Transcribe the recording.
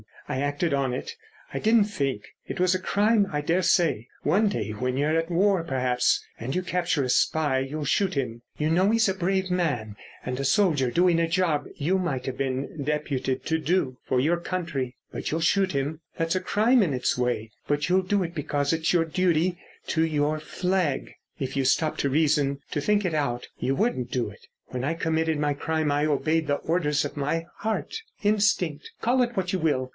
I acted on it. I didn't think. It was a crime, I daresay. One day, when you're at war, perhaps, and you capture a spy you'll shoot him. You know he's a brave man and a soldier doing a job you might have been deputed to do for your country. But you'll shoot him. That's a crime in its way, but you'll do it because it's your duty to your flag. If you stopped to reason, to think it out, you wouldn't do it. When I committed my crime I obeyed the orders of my heart—instinct—call it what you will.